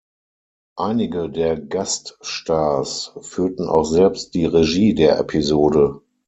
Einige der Gaststars führten auch selbst die Regie der Episode.